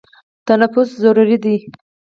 تنفس ضروري دی.